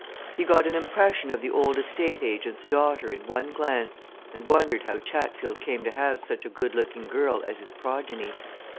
He got an impression of the old estate agent's daughter in one glance, and wondered how Chatfield came to have such a good looking girl as his progeny.